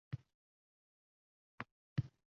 Oldimdan biror gunoh ish chiqmadi.